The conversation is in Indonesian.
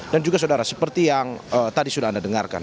dan juga saudara seperti yang tadi sudah anda dengarkan